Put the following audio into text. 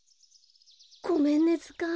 ごめんねずかん。